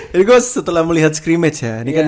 ya bagus setelah melihat scrimmage ya